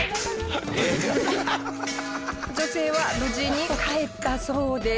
女性は無事に帰ったそうです。